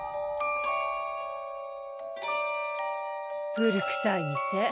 古くさい店。